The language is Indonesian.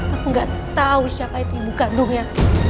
aku gak tau siapa itu ibu kandungnya